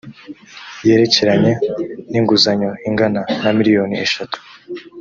yerekeranye n inguzanyo ingana na miliyoni eshatu